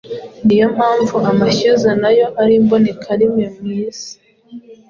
Niyo mpamvu amashyuza nayo ari imbonekerimwe mu isi.”